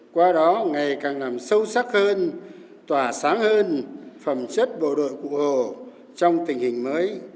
qua đó ngày càng nằm sâu sắc hơn tỏa sáng hơn phẩm chất bộ đội cụ hồ trong tình hình mới